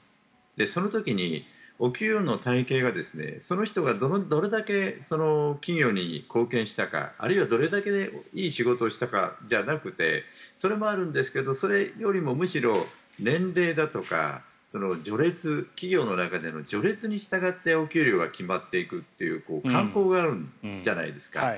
その時にお給料の体系がその人がどれだけ企業に貢献したかあるいは、どれだけいい仕事をしたかじゃなくてそれもあるんですけどそれよりも、むしろ年齢だとか序列企業の中の序列に従ってお給料が決まっていくという慣行があるじゃないですか。